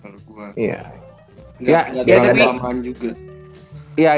nggak dalam dalam juga